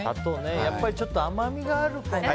やっぱりちょっと甘みがあるとね。